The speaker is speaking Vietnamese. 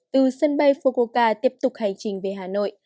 từ sân bay fukoka tiếp tục hành trình về hà nội